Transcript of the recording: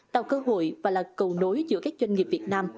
tạo cơ hội và là cầu nối giữa các doanh nghiệp việt nam